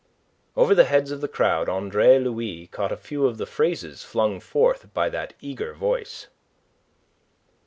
Over the heads of the crowd Andre Louis caught a few of the phrases flung forth by that eager voice.